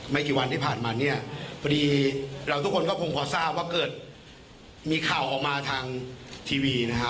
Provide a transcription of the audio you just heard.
ไม่กี่วันที่ผ่านมาเนี่ยพอดีเราทุกคนก็คงพอทราบว่าเกิดมีข่าวออกมาทางทีวีนะฮะ